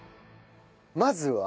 まずは？